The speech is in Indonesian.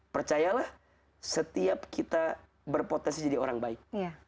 percayalah setiap kita berpotensi jadi orang baik